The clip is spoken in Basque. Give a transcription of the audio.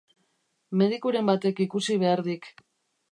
Medikuren batek ikusi behar dik.